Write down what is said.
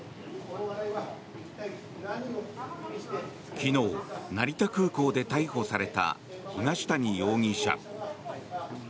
昨日、成田空港で逮捕された東谷容疑者。